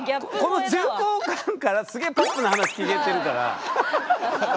この重厚感からすげえポップな話聞けてるから。